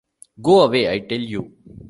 Go away, I tell you.